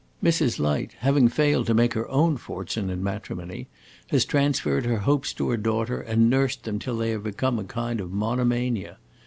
Mrs. Light, having failed to make her own fortune in matrimony, has transferred her hopes to her daughter, and nursed them till they have become a kind of monomania.